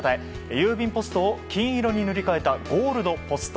郵便ポストを金色に塗り替えたゴールドポスト。